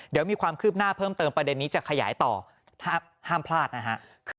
เดี๋ยวมีความคืบหน้าเพิ่มเติมประเด็นนี้จะขยายต่อห้ามพลาดนะฮะ